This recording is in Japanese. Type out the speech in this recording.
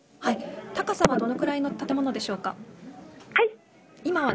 高さはどれぐらいの建物でしょうか。